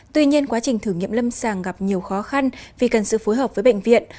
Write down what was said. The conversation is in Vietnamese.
tuy nhiên quá trình thử nghiệm lâm sàng gặp nhiều khó khăn vì cần sự phối hợp với bệnh viện